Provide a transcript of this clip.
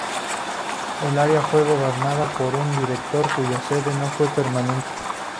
El área fue gobernada por un director, cuya sede no fue permanente.